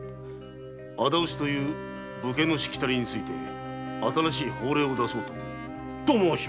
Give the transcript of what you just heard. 仇討ちという武家のしきたりについて新しい法令を出そうと思う。